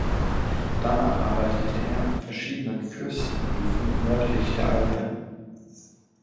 Danach arbeitete er an verschiedenen Fürstenhöfen nördlich der Alpen.